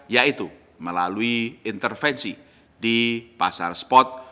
yaitu melalui intervensi di pasar spot